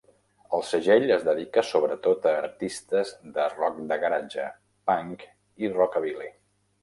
El segell es dedica sobretot a artistes de rock de garage, punk i rockabilly.